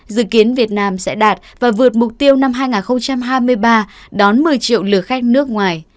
dự kiến việt nam sẽ đạt và vượt mục tiêu năm hai nghìn hai mươi ba đón một mươi triệu lượt khách nước ngoài